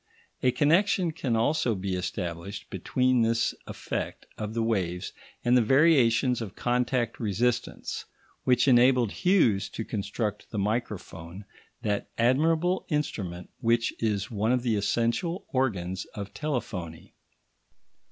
A connection can also be established between this effect of the waves and the variations of contact resistance which enabled Hughes to construct the microphone, that admirable instrument which is one of the essential organs of telephony.